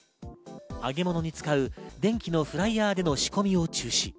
揚げ物に使う電気のフライヤーでの仕込みを中止。